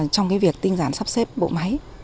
trong việc tinh giản sắp xếp bộ máy